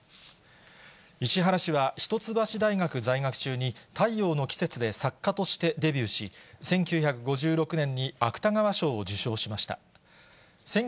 石原氏は一橋大学在学中に太陽の季節で作家としてデビューし、１９５６年に芥川賞を受賞しました。